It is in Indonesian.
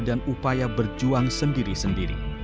dan upaya berjuang sendiri sendiri